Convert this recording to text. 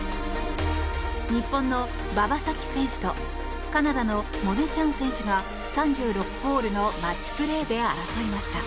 日本の馬場咲希選手とカナダのモネ・チャン選手が３６ホールのマッチプレーで争いました。